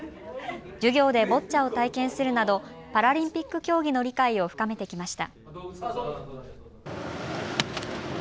授業でボッチャを体験するなどパラリンピック競技の理解を深めてきました。